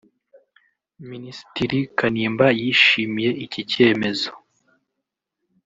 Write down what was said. Minisitiri Kanimba yishimiye iki cyemezo